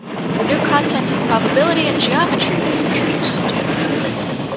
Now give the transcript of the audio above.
New content in probability and geometry was introduced.